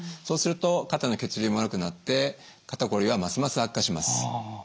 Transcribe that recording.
そうすると肩の血流も悪くなって肩こりはますます悪化します。